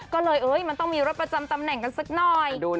ก็เลยมันต้องมีรถประจำตำแหน่งกันสักหน่อย